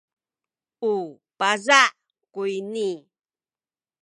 u paza’ kuyni.